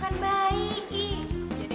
tante tante jalan